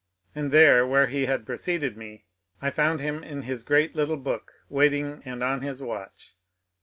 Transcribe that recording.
And there, where he had preceded me, I found him in his great little book, wait ing and on his watch.